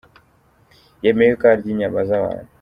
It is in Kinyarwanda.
Yemeye ko arya inyama z’abantu